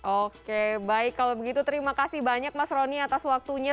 oke baik kalau begitu terima kasih banyak mas roni atas waktunya